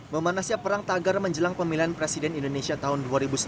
memanasnya perang tagar menjelang pemilihan presiden indonesia tahun dua ribu sembilan belas